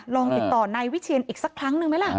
ลองติดต่อนายวิเชียนอีกสักครั้งหนึ่งไหมล่ะ